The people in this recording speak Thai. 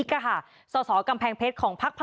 ทีนี้จากรายทื่อของคณะรัฐมนตรี